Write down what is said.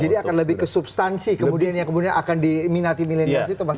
jadi akan lebih ke substansi kemudian yang akan diminati milenials itu mas